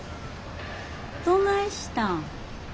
どないしたん？